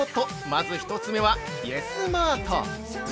まず１つ目は、イエスマート。